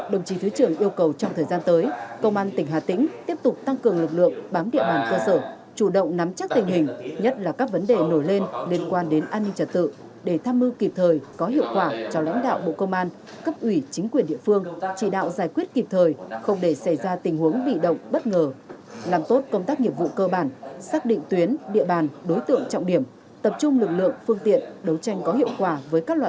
đồng chí thứ trưởng yêu cầu trong thời gian tới công an tỉnh hà tĩnh tiếp tục tăng cường lực lượng bám địa bàn cơ sở chủ động nắm chắc tình hình nhất là các vấn đề nổi lên liên quan đến an ninh trật tự để tham mưu kịp thời có hiệu quả cho lãnh đạo bộ công an cấp ủy chính quyền địa phương chỉ đạo giải quyết kịp thời không để xảy ra tình huống bị động bất ngờ làm tốt công tác nghiệp vụ cơ bản xác định tuyến địa bàn đối tượng trọng điểm tập trung lực lượng phương tiện đấu tranh có hiệu quả với các lo